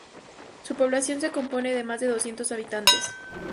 Su población se compone de más de doscientos habitantes.